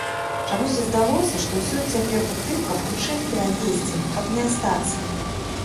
Чамусьці здалося, што ўсё цяпер у тым, каб хутчэй пералезці, каб не астацца.